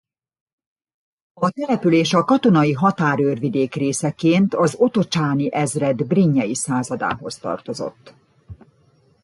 A település a katonai határőrvidék részeként az otocsáni ezred brinjei századához tartozott.